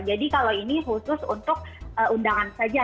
jadi kalau ini khusus untuk undangan saja